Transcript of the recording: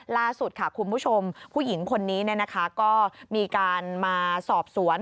ล่าสุดค่ะคุณผู้ชมผู้หญิงคนนี้ก็มีการมาสอบสวน